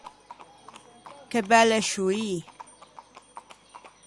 Che belle scioî!